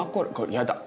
やだ。